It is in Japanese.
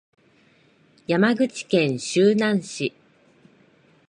山口県周南市